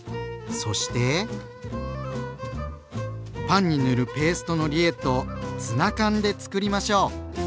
そしてパンに塗るペーストのリエットをツナ缶でつくりましょう。